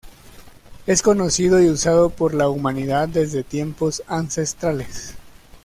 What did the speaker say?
Es conocido y usado por la humanidad desde tiempos ancestrales.